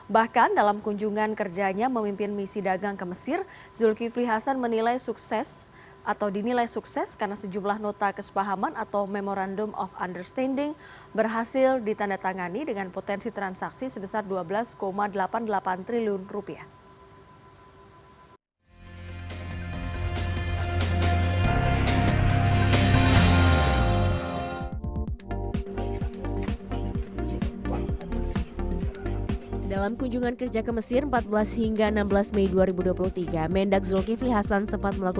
bahkan dalam kunjungan kerjanya memimpin misi dagang ke mesir zulkifli hasan menilai sukses karena sejumlah nota kesepahaman atau memorandum of understanding berhasil ditandatangani dengan potensi transaksi sebesar dua belas delapan puluh delapan triliun rupiah